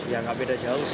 ya enggak beda jauh sih